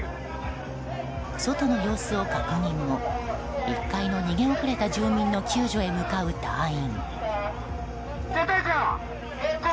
外の様子を確認後１階の逃げ遅れた住民の救助へ向かう隊員。